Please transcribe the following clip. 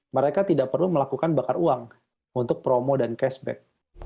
mereka tidak perlu melakukan bakar uang untuk promo dan cashback